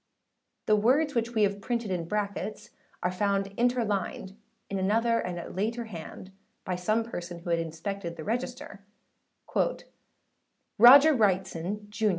The words which we have printed in brackets are found interlined in another and a later hand by some person who had inspected the register:â âRo_d_ger Wrightson, Jun.